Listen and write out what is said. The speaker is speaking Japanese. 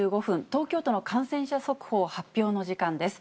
東京都の感染者速報発表の時間です。